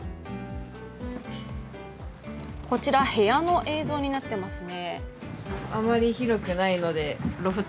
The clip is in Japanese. こちら部屋の映像になってますね。